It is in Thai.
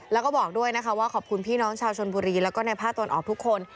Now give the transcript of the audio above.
แล้วก็บอกด้วยนะคะว่าขอบคุณพี่น้องชาวชนบุรีแล้วก็ในภาคตะวันออกทุกคน